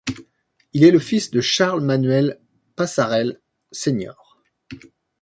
Il est le fils de Charles Manuel Pasarell Sr.